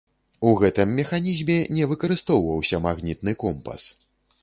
У гэтым механізме не выкарыстоўваўся магнітны компас.